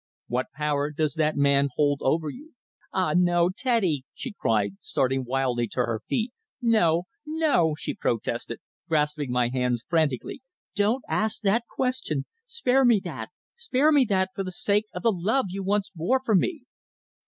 What power does that man hold over you?" "Ah, no! Teddy!" she cried, starting wildly to her feet. "No, no!" she protested, grasping my hands frantically. "Don't ask that question. Spare me that! Spare me that, for the sake of the love you once bore for me."